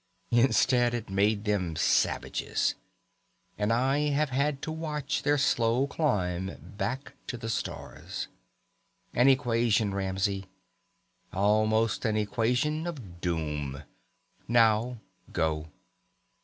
Instead it made them savages and I have had to watch their slow climb back to the stars. An equation, Ramsey. Almost an equation of doom. Now go."